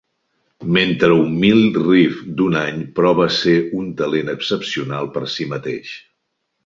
Mentre un Mill Reef d'un any provà ser un talent excepcional per si mateix.